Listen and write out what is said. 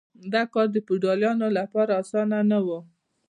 دا کار د فیوډالانو لپاره اسانه نه و.